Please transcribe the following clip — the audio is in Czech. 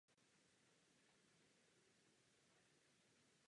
Na zádi je přistávací paluba a hangár pro tři střední vrtulníky.